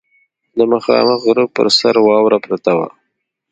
د مخامخ غره پر سر واوره پرته وه.